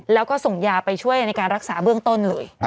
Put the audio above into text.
แล้วก็ส่งยาไปช่วยในการรักษาเบื้องต้นเลย